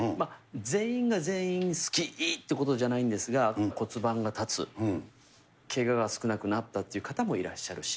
全員が全員、好き！ってことじゃないんですが、骨盤が立つ、けがが少なくなったっていう方もいらっしゃるし。